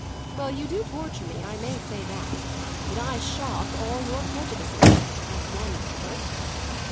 "Well, you do torture me; I may say that. But I shock all your prejudices; that's one comfort."